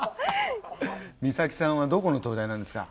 ミサキさんはどこの灯台なんですか？